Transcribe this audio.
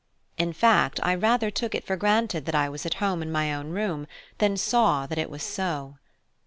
In fact, I rather took it for granted that I was at home in my own room than saw that it was so.